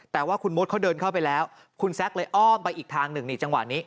แต่ว่าคุณมดเขาเดินเข้าไปแล้วคุณแซคเลยอ้อมไปอีกทางหนึ่งนี่จังหวะนี้